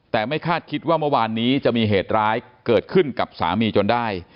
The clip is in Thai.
แต่ไม่คาดคิดว่าเมื่อวานนี้จะมีเหตุร้ายเกิดขึ้นกับสามีจนได้